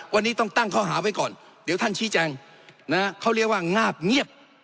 วันนี้ต้องตั้งข้อหาไว้ก่อนเดี๋ยวท่านชี้แจงนะฮะเขาเรียกว่างาบเงียบ